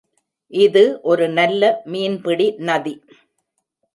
இது ஒரு நல்ல மீன்பிடி நதி.